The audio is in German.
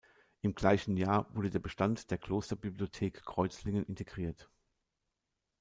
Im gleichen Jahr wurde der Bestand der Klosterbibliothek Kreuzlingen integriert.